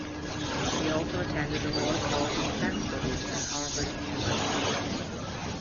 He also attended the Royal College of Defence Studies, and Harvard University.